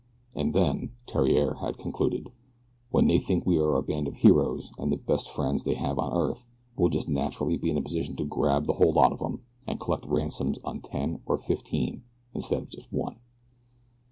"And then," Theriere had concluded, "when they think we are a band of heroes, and the best friends they have on earth we'll just naturally be in a position to grab the whole lot of them, and collect ransoms on ten or fifteen instead of just one."